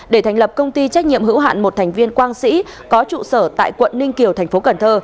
để thành lập công ty trách nhiệm hữu hạn một thành viên quang sĩ có trụ sở tại quận ninh kiều tp cn